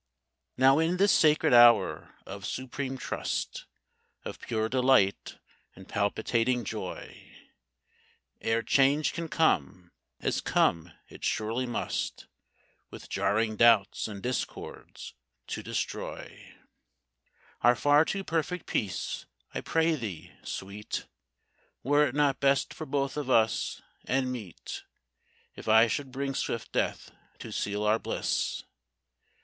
Now, in this sacred hour of supreme trust, Of pure delight and palpitating joy, Ere change can come, as come it surely must, With jarring doubts and discords, to destroy Our far too perfect peace, I pray thee, Sweet, Were it not best for both of us, and meet, If I should bring swift death to seal our bliss?